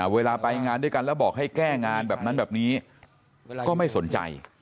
เวลาไปงานด้วยกันแล้วบอกให้แก้งานแบบนั้นแบบนี้ก็ไม่สนใจ